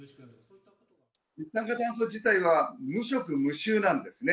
一酸化炭素自体は無色無臭なんですね。